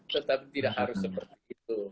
tetapi tidak harus seperti itu